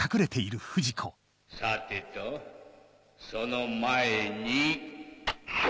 さてとその前に。